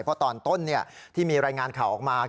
เพราะตอนต้นที่มีรายงานข่าวออกมา